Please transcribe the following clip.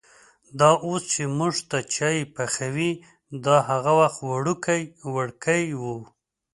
دا اوس چې مونږ ته چای پخوي، دا هغه وخت وړوکی وړکی و.